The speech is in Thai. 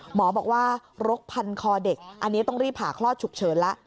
หมอบอกว่ารกพันคอเด็กอันนี้ต้องรีบผ่าคลอดฉุกเฉินแล้ว